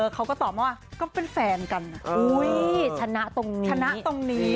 เขาก็ตอบมาว่าก็เป็นแฟนกันชนะตรงนี้ชนะตรงนี้